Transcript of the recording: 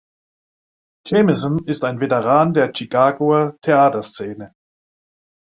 Jemison ist ein Veteran der Chicagoer Theaterszene.